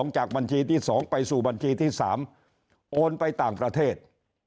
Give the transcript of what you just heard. จากบัญชีที่๒ไปสู่บัญชีที่๓โอนไปต่างประเทศ